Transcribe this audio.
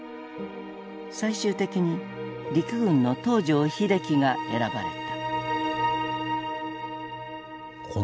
最終的に陸軍の東條英機が選ばれた。